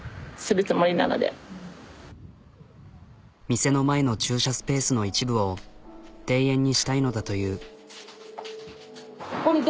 店の前の駐車スペースの一部を庭園にしたいのだという。